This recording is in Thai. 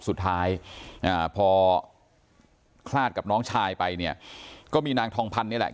สุดท้ายพอคลาดกับน้องชายไปเนี่ยก็มีนางทองพันธ์นี่แหละ